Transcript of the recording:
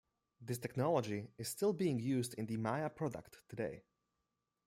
This technology is still being used in the Maya product today.